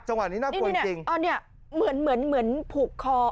จังหวะนี้น่ากลัวจริงเนี่ยอ่าเนี่ยเหมือนเหมือนเหมือนผูกคอ